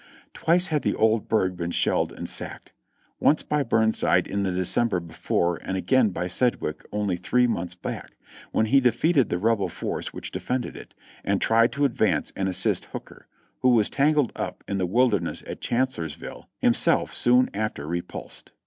Twice had the old burg been shelled and sacked, once by Burnside in the December before and again by Sedgwick only three months back, when he defeated the Rebel force which defended it, and tried to advance and assist Hooker, who was tangled up in the Wilderness at Chancellorsville, himself soon after repulsed.